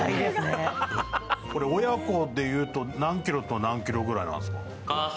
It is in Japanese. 親子でいうと何ｋｇと何ｋｇぐらいなんですか？